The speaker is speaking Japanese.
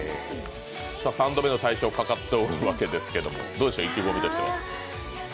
３度目の大賞がかかっているわけですけれども、どうでしょう、意気込みは？